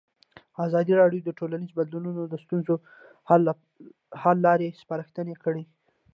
ازادي راډیو د ټولنیز بدلون د ستونزو حل لارې سپارښتنې کړي.